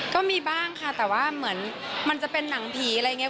ก็มีบ้างค่ะแต่ว่าเหมือนมันจะเป็นหนังผีอะไรอย่างนี้